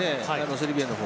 セルビアの方。